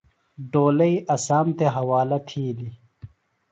ڈولئی اسام تھےۡ حوالہ تھیلیۡ۔